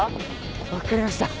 分かりました。